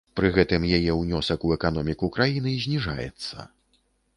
Пры гэтым яе ўнёсак у эканоміку краіны зніжаецца.